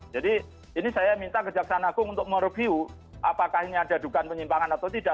jadi ini saya minta ke jakarta agung untuk mereview apakah ini ada dugaan penyimpangan atau tidak